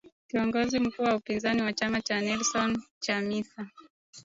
kiongozi mkuu wa upinzani wa chama cha Nelson Chamisa